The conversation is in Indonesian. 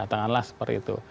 katakanlah seperti itu